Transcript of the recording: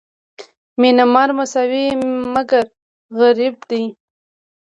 میانمار مساوي مګر غریب دی.